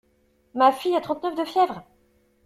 Ma fille a trente neuf de fièvre.